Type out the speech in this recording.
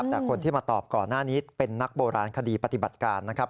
แต่คนที่มาตอบก่อนหน้านี้เป็นนักโบราณคดีปฏิบัติการนะครับ